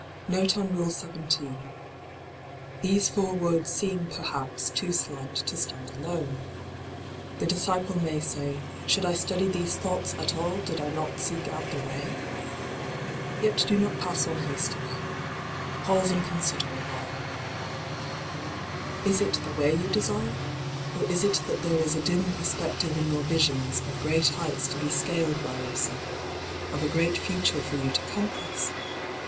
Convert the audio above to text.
Nofe on Rule 17. — These four words seem, perhaps, too slight to stand alone. The disciple may say, Should I study these thoughts at all did I not seek out the way ? Yet do not pass on hastily. Pause and con sider awhile. Is it the way you desire, or is d by Google 24 LIGHT ON THE PATH it that there is a dim perspective in your visions of great heights to be scaled by your self, of a great future for you to compass